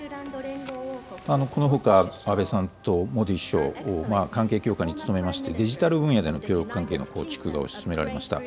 このほか、安倍さんとモディ首相、関係強化に努めまして、デジタル分野での協力関係の構築が推し進められました。